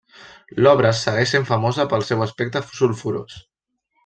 L'obra segueix sent famosa pel seu aspecte sulfurós.